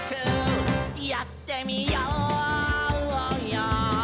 「やってみようよ」